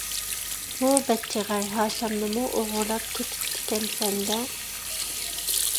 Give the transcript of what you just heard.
ھۇ بەچچىغەر، ھاسامنىمۇ ئوغرىلاپ كېتىپتىكەنسەن - دە!